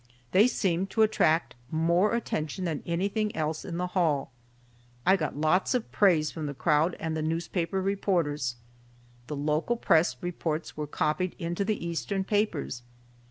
They seemed to attract more attention than anything else in the hall I got lots of praise from the crowd and the newspaper reporters. The local press reports were copied into the Eastern papers.